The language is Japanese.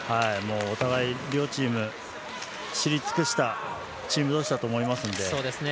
お互い、両チーム、知り尽くしたチーム同士だと思いますので。